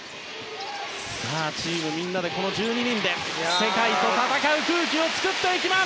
チームみんなで、１２人で世界と戦う空気を作っていきます。